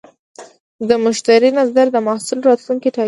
د مشتری نظر د محصول راتلونکی ټاکي.